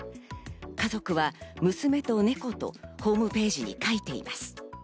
家族は娘と猫と、ホームページに書いています。